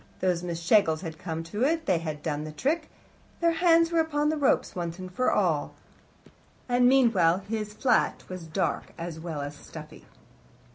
Those Miss Schlegels had come to it; they had done the trick; their hands were upon the ropes, once and for all. And meanwhile, his flat was dark, as well as stuffy.